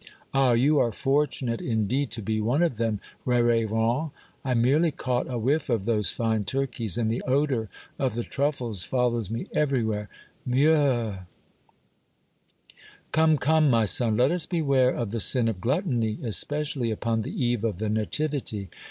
Ah ! you are fortunate indeed to be one of them, r^v^rend. I merely caught a whiff of those fine turkeys, and the odor of the truffles follows me everywhere. Meuh! " Come, come, my son. Let us beware of the sin of gluttony, especially upon the, Eve of the Nativity.